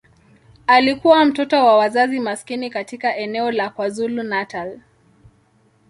Alikuwa mtoto wa wazazi maskini katika eneo la KwaZulu-Natal.